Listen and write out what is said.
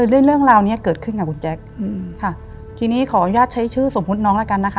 เรื่องราวเนี้ยเกิดขึ้นค่ะคุณแจ๊คอืมค่ะทีนี้ขออนุญาตใช้ชื่อสมมุติน้องแล้วกันนะคะ